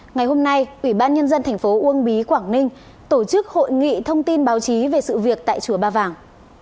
ngày hôm nay ủy ban nhân dân thành phố uông bí quảng ninh tổ chức hội nghị thông tin báo chí về sự việc tại chùa ba vàng